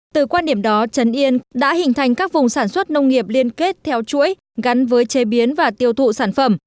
từ quan điểm đó trần yên đã hình thành các vùng sản xuất nông nghiệp liên kết theo chuỗi gắn với chế biến và tiêu thụ sản phẩm